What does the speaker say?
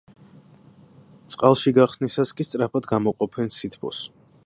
წყალში გახსნისას კი სწრაფად გამოყოფენ სითბოს.